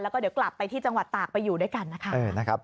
แล้วก็เดี๋ยวกลับไปที่จังหวัดตากไปอยู่ด้วยกันนะคะ